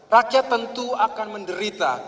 rakyat tentu akan menderita